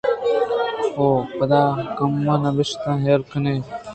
ءُ پد ءَ کم کم ءَ نبشتہ ھیل کن آں